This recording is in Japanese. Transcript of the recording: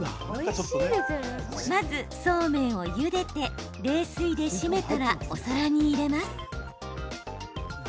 まず、そうめんをゆでて冷水で締めたらお皿に入れます。